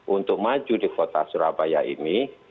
untuk maju di kota surabaya ini